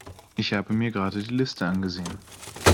Ich habe mir gerade die Liste angesehen.